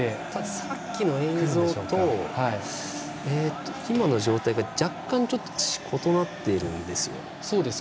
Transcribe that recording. さっきの映像と今の状態が若干、異なっているんですよ。